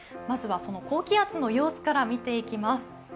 まずはその高気圧の様子から見ていきます。